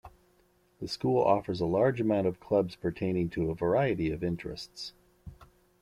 The school offers a large amount of clubs pertaining to a variety of interests.